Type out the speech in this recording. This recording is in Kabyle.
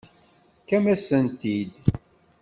Tefkamt-as-tent-id.